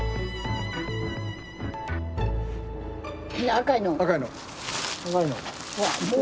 赤いの。